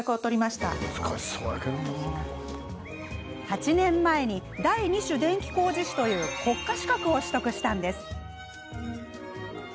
８年前に第二種電気工事士という国家資格を取得したんです。